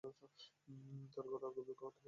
তার গলায় গভীর ক্ষত হয়েছে।